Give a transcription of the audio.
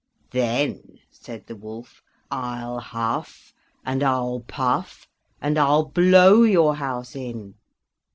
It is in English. "Then," said the wolf, "I'll huff, and I'll puff, and I'll blow your house in."